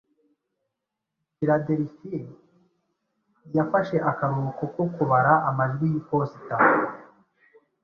Philadelphia yafashe akaruhuko ko kubara amajwi y'iposita